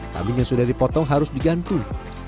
kambing yang sudah dipotong harus digantung